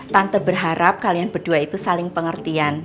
tante berharap kalian berdua itu saling pengertian